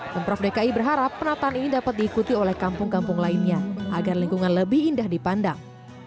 pemprov dki berharap penataan ini dapat diikuti oleh kampung kampung lainnya agar lingkungan lebih indah dipandang